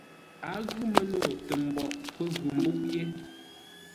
A ghʉ məno tə mboʼ pə́ ghʉ mbúʼ yé.